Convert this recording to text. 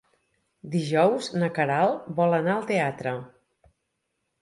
Dijous na Queralt vol anar al teatre.